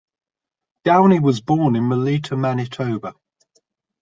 Downey was born in Melita, Manitoba.